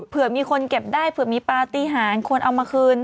เผื่อมีคนเก็บได้เผื่อมีปฏิหารควรเอามาคืน